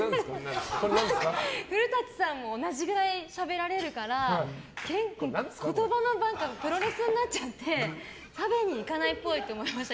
古舘さんも同じくらいしゃべられるから言葉のプロレスになっちゃって食べに行かないっぽいって思いました。